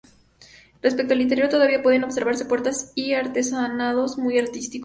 Respecto al interior, todavía pueden observarse puertas y artesonados muy artísticos.